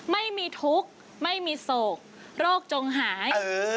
ไม่มีทุกข์ไม่มีโศกโรคจงหาย